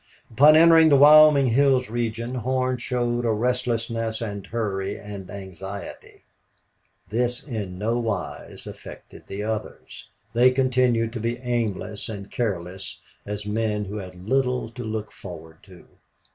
Upon entering the Wyoming hills region Horn showed a restlessness and hurry and anxiety. This in no wise affected the others. They continued to be aimless and careless as men who had little to look forward to.